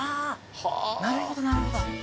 あなるほどなるほど。